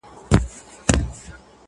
رنګ به د پانوس نه وي تیاره به وي.